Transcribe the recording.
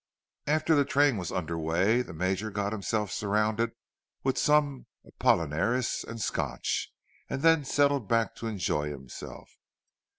After the train was under way, the Major got himself surrounded with some apollinaris and Scotch, and then settled back to enjoy himself.